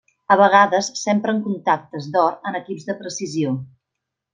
A vegades s'empren contactes d'or en equips de precisió.